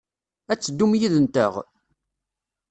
Ad teddum yid-nteɣ?